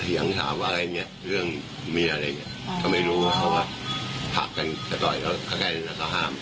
ถึงถามว่าอะไรอย่างเนี่ยเรื่องเมียอะไรอย่างเนี่ยเขาไม่รู้ว่าเขาผักกันก็ต่อยแล้วก็แกล้งแล้วก็ห้าม